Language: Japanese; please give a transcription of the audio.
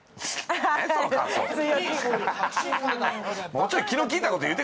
もうちょい気の利いた事言うてくれ！